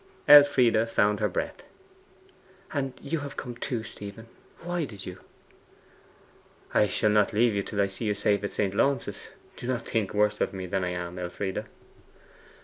Elfride found her breath. 'And have you come too, Stephen? Why did you?' 'I shall not leave you till I see you safe at St. Launce's. Do not think worse of me than I am, Elfride.